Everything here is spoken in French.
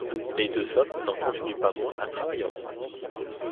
Les deux hommes n'en continuent pas moins à travailler ensemble.